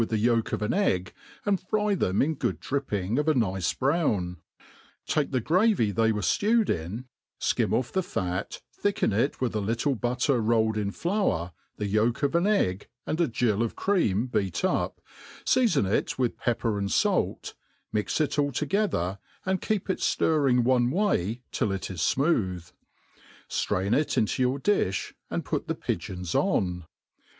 the yolk of an egg^ and fry them in good dri|^og of a nice brown ; take the graVy they were ftewed id^ fkim off the fat) thicken it with 1 little butter rolled in Aour, the yolk of aa eggj and a gill of cream beat up» feafon it ^ith pepper and fair, mix it all to^ gether, and keep it ftirring one way till it is fmooth ; firain it into your difli, and pat the pigeons on.